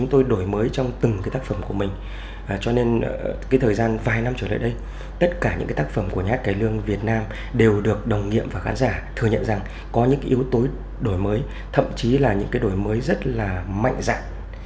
trong thời gian vài năm trở lại đây tất cả những tác phẩm của nhát cái lương việt nam đều được đồng nghiệm và khán giả thừa nhận rằng có những yếu tố đổi mới thậm chí là những đổi mới rất là mạnh dạng